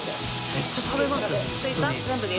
めっちゃ食べますね